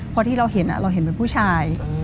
พอที่เราเห็นเราเห็นเป็นผู้ชาย